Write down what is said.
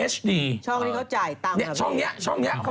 ช่องนี้เขาจ่ายตังค์